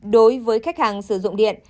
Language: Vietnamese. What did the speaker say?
đối với khách hàng sử dụng điện